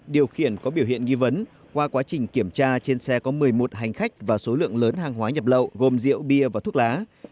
điều khiển có biểu hiện nghi vấn qua quá trình kiểm tra trên xe có một mươi một hành khách và số lượng lớn hàng hóa nhập lậu gồm rượu bia và thuốc lá